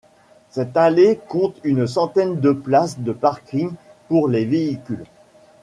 Cette allée compte une centaine de places de parking pour les véhicules.